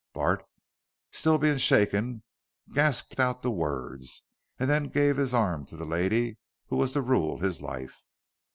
Bart, still being shaken, gasped out the words, and then gave his arm to the lady who was to rule his life.